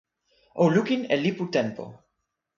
o lukin e lipu tenpo.